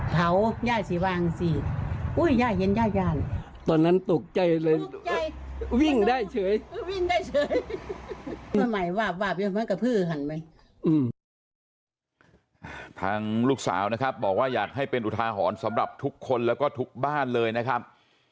ลูกสาวนะครับบอกว่าอยากให้เป็นอุทาหรณ์สำหรับทุกคนแล้วก็ทุกบ้านเลยนะครับ